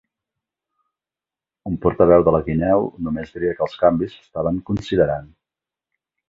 Un portaveu de la guineu només diria que els canvis s'estaven considerant.